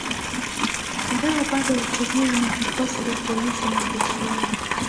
Ngao bado hutumiwa na vikosi vya polisi na jeshi leo.